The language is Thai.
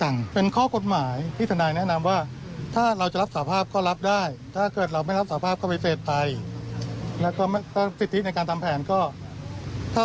และสิทธิในการทำแผนก็ถ้าไปเสร็จก็ไม่สามารถที่จะพาเราไปทำแผนได้